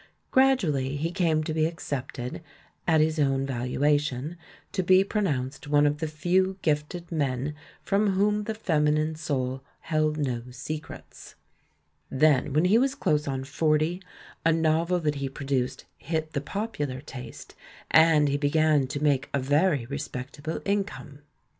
Gradually he came to be accepted at his own valuation, to be pronounced one of the few gifted men from whom the feminine soul held no se crets. Then when he was close on forty, a novel THE IVIAN WHO UNDERSTOOD WOMEN 3 that he produced hit the popular taste, and he began to make a very respectable income.